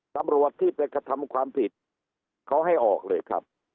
ตำรวจที่ไปกระทำความผิดเขาให้ออกเลยครับ